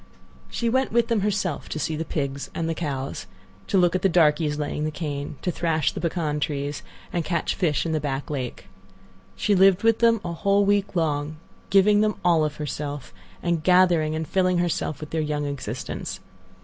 She went with them herself to see the pigs and the cows, to look at the darkies laying the cane, to thrash the pecan trees, and catch fish in the back lake. She lived with them a whole week long, giving them all of herself, and gathering and filling herself with their young existence.